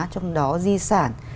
trong đó di sản